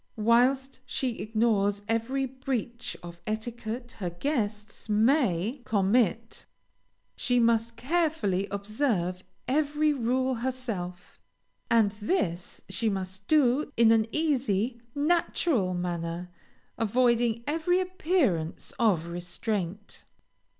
Whilst she ignores every breach of etiquette her guests may commit, she must carefully observe every rule herself, and this she must do in an easy, natural manner, avoiding every appearance of restraint.